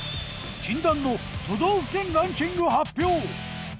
禁断の都道府県ランキング発表。